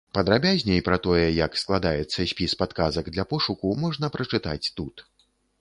Падрабязней пра тое, як складаецца спіс падказак для пошуку, можна прачытаць тут.